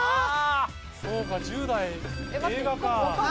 そうか１０代映画か。